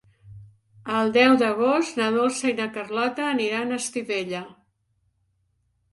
El deu d'agost na Dolça i na Carlota aniran a Estivella.